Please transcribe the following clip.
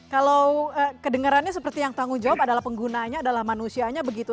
kalau kedengarannya seperti yang tanggung jawab adalah penggunanya adalah manusianya begitu